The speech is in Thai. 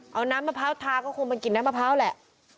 เอาน้ำมะพร้าวทาก็คงเป็นกลิ่นน้ำมะพร้าวแหละ